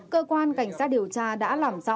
cơ quan cảnh sát điều tra đã làm rõ